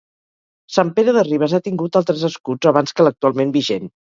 Sant Pere de Ribes ha tingut altres escuts abans que l'actualment vigent.